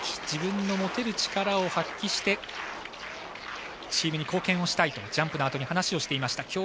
自分の持てる力を発揮してチームに貢献をしたいとジャンプのあとに話をしていました。